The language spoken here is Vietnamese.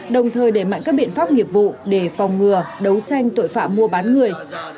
đồng thời đẩy mạnh các biện pháp nghiệp vụ để phòng ngừa đấu tranh tội phạm mua bán người